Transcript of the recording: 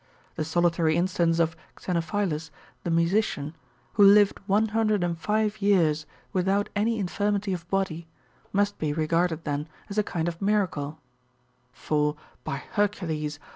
The solitary instance of Xenophilus, the musician,'^ who lived one hundred and five 3'ears without any infirmity of bod} , must be regarded then as a kind of miracle ; for, by Hercules